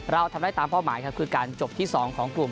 เราทำได้ตามเป้าหมายครับคือการจบที่๒ของกลุ่ม